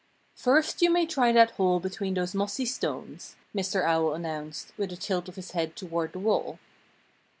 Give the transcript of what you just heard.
"First you may try that hole between those mossy stones," Mr. Owl announced, with a tilt of his head toward the wall.